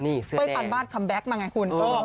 นี่เสื้อแดงเป้ยปานวาดคำแบ็กต์มาไงคุณเออ